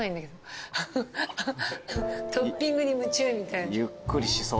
トッピングに夢中みたいな。